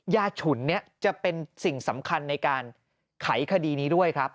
ฉุนเนี่ยจะเป็นสิ่งสำคัญในการไขคดีนี้ด้วยครับ